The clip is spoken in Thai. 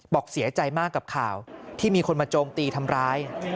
บอกเสียใจมากกับข่าวที่มีคนมาโจมตีทำร้าย